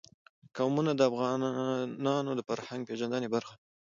قومونه د افغانانو د فرهنګي پیژندنې برخه ده.